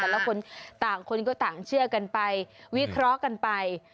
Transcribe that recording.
แต่ละคนต่างคนก็ต่างเชื่อกันไปวิเคราะห์กันไป